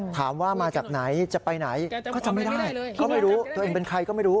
ถามว่ามาจากไหนจะไปไหนก็จำไม่ได้ก็ไม่รู้ตัวเองเป็นใครก็ไม่รู้